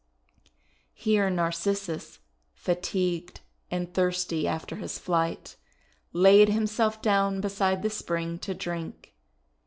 Here Narcissus, fatigued and thirsty after his flight, laid himself down beside the spring to drink.